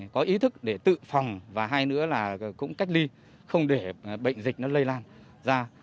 có ý thức để tự phòng và hai nữa là cũng cách ly không để bệnh dịch nó lây lan ra